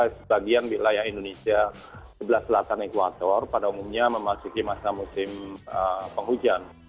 sebagian wilayah indonesia sebelah selatan ekuator pada umumnya memasuki masa musim penghujan